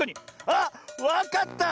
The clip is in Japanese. あっわかった！